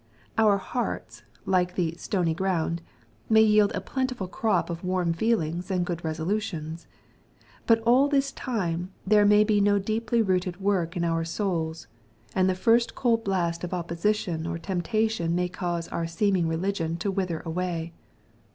Our hearts, like the " stony ground/' may yield a plentiful crop of warm feelings and good resolutions. But all this time there may be no deeply rooted work in our souls, and the first cold blast of opposition or tempta tion may cause our seeming religion to wither away.